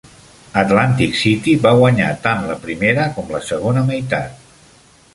Atlantic City va guanyar tant la primera com la segona meitat.